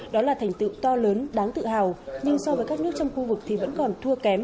đó là thành tựu to lớn đáng tự hào nhưng so với các nước trong khu vực thì vẫn còn thua kém